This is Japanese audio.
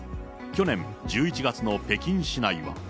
去年１１月の北京市内は。